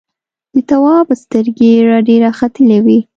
د تواب سترګې رډې راختلې وې.